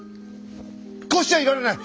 こうしちゃいられない。